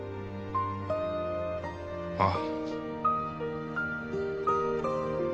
ああ。